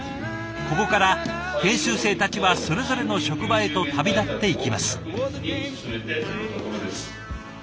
ここから研修生たちはそれぞれの職場へと旅立っていきます。